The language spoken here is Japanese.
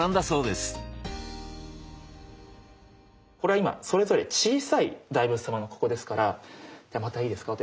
これは今それぞれ小さい大仏様のここですからまたいいですか？